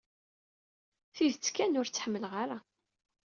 Tidet kan, ur tt-ḥemmleɣ ara.